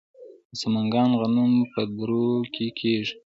د سمنګان غنم په درو کې کیږي.